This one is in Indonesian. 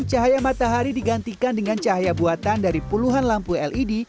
cahaya matahari digantikan dengan cahaya buatan dari puluhan lampu led